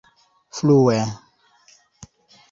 flue